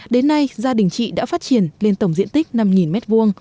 đến nay gia đình chị đã phát triển lên tổng diện tích năm m hai